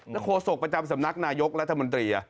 โฆษกประจำสำนักนายกรัฐมนตรี